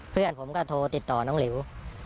เพื่อนผมก็โทรติดต่อน้องหลิว